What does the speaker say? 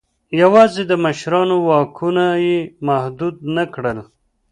یوازې د مشرانو واکونه یې محدود نه کړل.